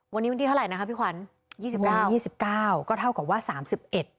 วันนี้วันที่เท่าไหร่นะคะพี่ขวัญยี่สิบเก้ายี่สิบเก้าก็เท่ากับว่าสามสิบเอ็ด